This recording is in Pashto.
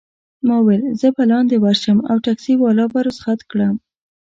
ما وویل: زه به لاندي ورشم او ټکسي والا به رخصت کړم.